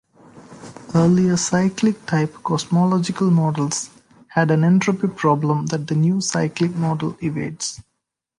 Earlier cyclic-type cosmological models had an entropy problem that the new cyclic model evades.